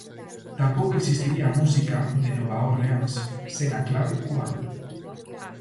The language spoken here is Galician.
Tampouco existiría a música de Nova Orleans sen a clave cubana.